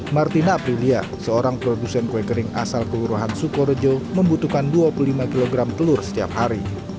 martina aprilia seorang produsen kue kering asal kelurahan sukorejo membutuhkan dua puluh lima kg telur setiap hari